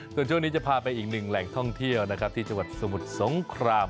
ส่วนช่วงนี้จะพาไปอีกหนึ่งแหล่งท่องเที่ยวนะครับที่จังหวัดสมุทรสงคราม